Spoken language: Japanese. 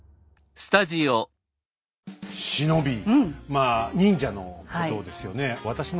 まあ忍者のことですよね。